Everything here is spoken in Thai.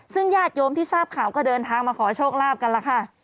ซึ่งญาติโยมที่ทราบข่าวก็เดินทางมาขอโชคลาภกันล่ะค่ะ